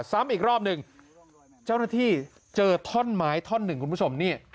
ซ้ำอีกรอบหนึ่งเจ้าหน้าที่เจอท่อนไม้ท่อนหนึ่งคุณผู้ชมนี่